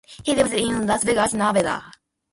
He lives in Las Vegas, Nevada.